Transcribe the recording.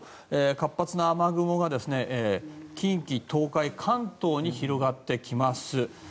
活発な雨雲が近畿、東海、関東に広がってきます。